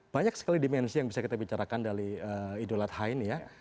banyak sekali dimensi yang bisa kita bicarakan dari idul adha ini ya